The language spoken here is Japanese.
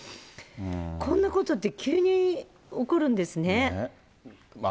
こんなことって急に起こるんですね。